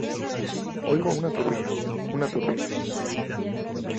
oigo una turbina, una turbina.